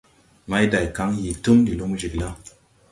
Mayday kan yii túm de lumo jiglaw.